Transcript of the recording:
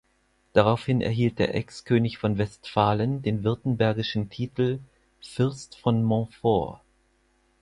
Daraufhin erhielt der Ex-König von Westfalen den württembergischen Titel „Fürst von Montfort“.